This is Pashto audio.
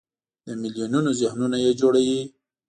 د میلیونونو ذهنونه یې جوړوي.